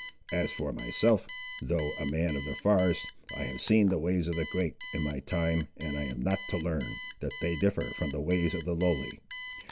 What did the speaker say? As for myself, though a man of the forest, I have seen the ways of the great, in my time, and I am not to learn that they differ from the ways of the lowly.